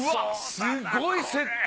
すごいセット。